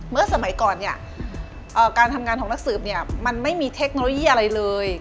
เมื่อสมัยก่อนการทำงานของนักสืบมันไม่มีเทคโนโลยีอะไรเลย